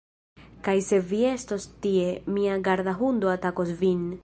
Kaj se vi estos tie, mia garda hundo atakos vin